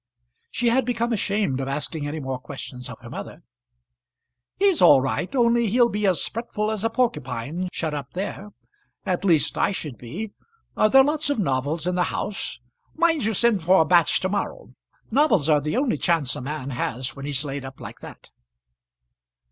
She had become ashamed of asking any more questions of her mother. "He's all right; only he'll be as fretful as a porcupine, shut up there. At least I should be. Are there lots of novels in the house? Mind you send for a batch to morrow. Novels are the only chance a man has when he's laid up like that."